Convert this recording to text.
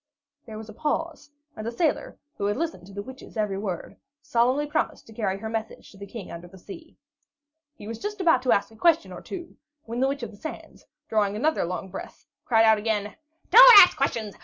There was a pause, and the sailor, who had listened to the Witch's every word, solemnly promised to carry her message to the King under the Sea. He was just about to ask a question or two, when the Witch of the Sands, drawing another long, long breath, cried out again: "Don't ask questions!